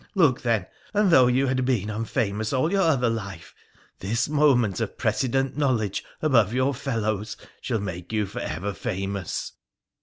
Look, then ! and though you had been unfamous all your other life, this moment of precedent knowledge above your fellows shall make you for ever famous.'